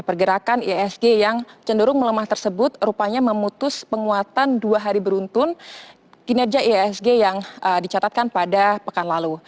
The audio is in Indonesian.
pergerakan isg yang cenderung melemah tersebut rupanya memutus penguatan dua hari beruntun kinerja ihsg yang dicatatkan pada pekan lalu